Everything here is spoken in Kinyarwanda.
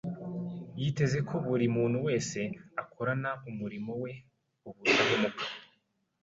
Yiteze ko buri muntu wese akorana umurimo we ubudahemuka.